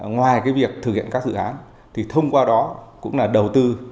ngoài việc thực hiện các dự án thì thông qua đó cũng là đầu tư